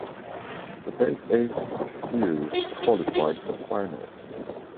The best eight skiers qualified for the final.